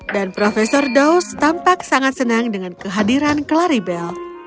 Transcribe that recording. dan profesor daws tampak sangat senang dengan kehadiran claribel